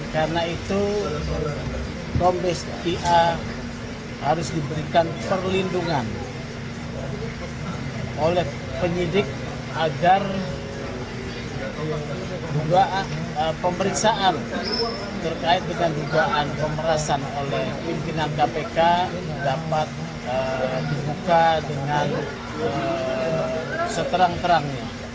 karena itu kombes ika harus diberikan perlindungan oleh penyidik agar pemeriksaan terkait dengan dugaan pemerasan oleh pimpinan kpk dapat dibuka dengan seterang terang